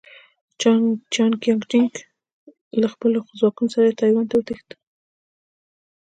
چیانکایچک له خپلو ځواکونو سره ټایوان ته وتښتېد.